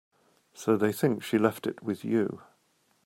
So they think she left it with you.